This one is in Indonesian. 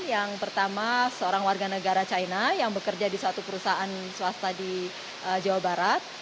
yang pertama seorang warga negara china yang bekerja di suatu perusahaan swasta di jawa barat